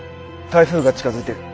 台風が近づいてる。